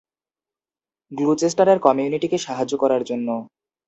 গ্লুচেস্টারের কমিউনিটিকে সাহায্য করার জন্য।